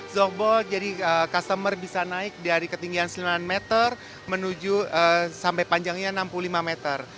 softball jadi customer bisa naik dari ketinggian sembilan meter menuju sampai panjangnya enam puluh lima meter